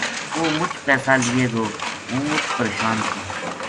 وہ مُچ پیسا لیے گو ہوں مُچ پرشان تھی